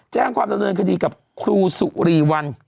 แจ้งความดำเนินคดีกับครูสุรีวัน